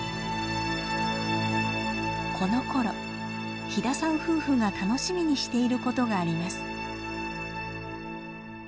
このころ飛田さん夫婦が楽しみにしていることがあります。